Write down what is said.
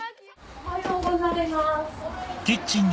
おはようございます。